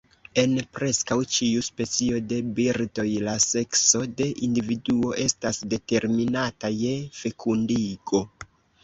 En preskaŭ ĉiu specio de birdoj, la sekso de individuo estas determinata je fekundigo.